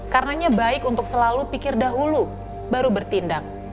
karenanya baik untuk selalu pikir dahulu baru bertindak